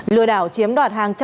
lừa đảo chiếm đoạt hàng trăm